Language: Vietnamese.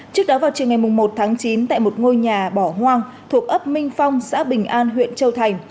trước đó vào chiều ngày một tháng chín tại một ngôi nhà bỏ hoang thuộc ấp minh phong xã bình an huyện châu thành